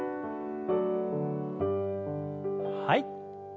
はい。